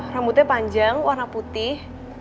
rambutnya panjang warna putih